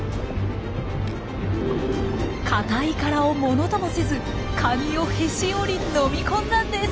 硬い殻をものともせずカニをへし折り飲み込んだんです。